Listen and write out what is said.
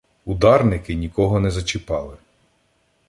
Ударники нікого не зачіпали.